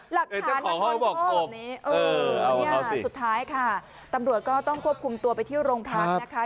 หลักฐานมันความโทษนี้เออนี่สุดท้ายค่ะต้องควบคุมตัวไปที่โรงพักษณ์นะคะ